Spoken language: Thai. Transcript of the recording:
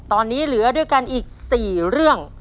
ตอนนี้เหลือด้วยกันอีก๔เรื่อง